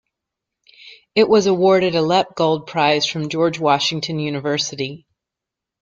It was awarded a Lepgold Prize from Georgetown University.